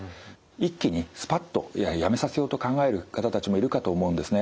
一気にスパッとやめさせようと考える方たちもいるかと思うんですね。